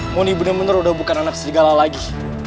muni bener bener udah bukan anak serigala lagi